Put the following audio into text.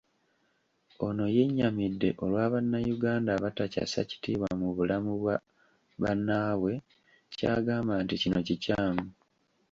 Ono yennyamidde olwa bannayuganda abatakyassa kitiibwa mu bulamu bwa bannaabwe ky'agamba nti kino kikyamu.